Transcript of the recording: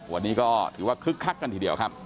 วันนี้ก็ถือว่าคึกคักกันทีเดียวครับ